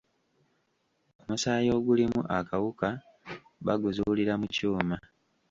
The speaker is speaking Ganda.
Omusaayi ogulimu akawuka baguzuulira mu kyuma.